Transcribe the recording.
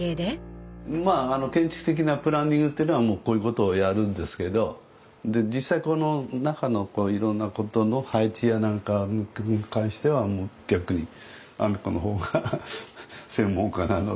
まあ建築的なプランニングっていうのはこういうことをやるんですけど実際この中のいろんなことの配置やなんかに関しては逆に阿美子の方が専門家なので。